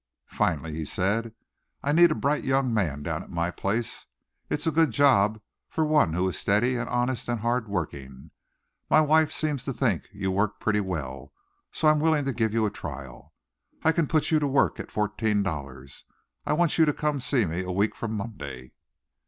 Finally he said, "I need a bright young man down at my place. It's a good job for one who is steady and honest and hardworking. My wife seems to think you work pretty well, so I'm willing to give you a trial. I can put you to work at fourteen dollars. I want you to come to see me a week from Monday."